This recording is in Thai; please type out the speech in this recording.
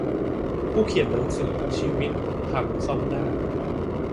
ผู้เขียนหนังสือ ชีวิตพังซ่อมได้